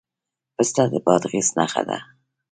پسته د بادغیس نښه ده.